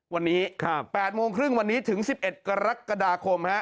วันนี้๘โมงครึ่งวันนี้ถึง๑๑กรกฎาคม